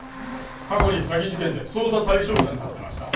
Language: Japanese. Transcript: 過去に詐欺事件で捜査対象者になってました。